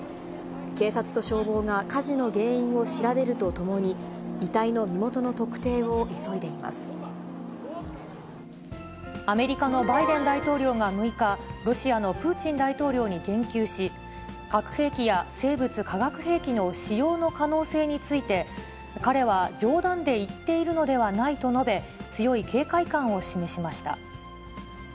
警察と消防が火事の原因を調べるとともに、遺体の身元の特定を急アメリカのバイデン大統領が６日、ロシアのプーチン大統領に言及し、核兵器や生物・化学兵器の使用の可能性について、彼は冗談で言っているのではないと述べ、強い警戒感を示しました。